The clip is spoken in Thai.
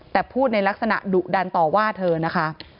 แต่พูดในลักษณะดุดันต่อว่าเธอนะคะ